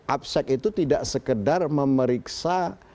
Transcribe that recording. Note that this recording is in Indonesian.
absek itu tidak sekedar memeriksa